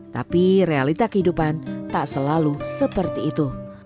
tapi realita kehidupan tak selalu seperti itu